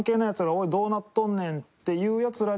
「おいどうなっとんねん」って言うヤツらに。